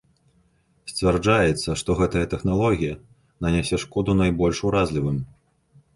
Сцвярджаецца, што гэтая тэхналогія нанясе шкоду найбольш уразлівым.